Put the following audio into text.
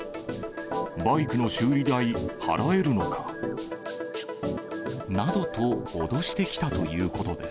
バイクの修理代、払えるのか？などと脅してきたということです。